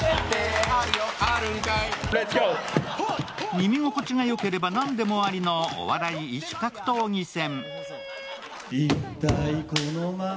耳心地がよければ、なんでもありのお笑い異種格闘技戦。